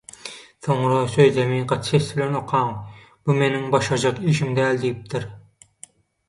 soňra sözlemi gaty ses bilen okaň «Bu meniň başarjak işim däl» diýipdir.